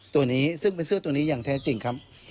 ตัวนี้ซึ่งเป็นเสื้อตัวนี้อย่างแท้จริงครับ